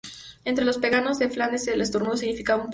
Entre los paganos de Flandes un estornudo significaba un presagio.